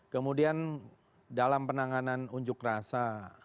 kemudian dalam penanganan unjuk rasa